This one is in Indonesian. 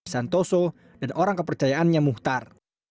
santoso dan orang kepercayaannya muhtar